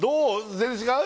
全然違う？